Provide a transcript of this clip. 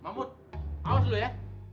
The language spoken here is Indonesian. mahmud awas dulu ya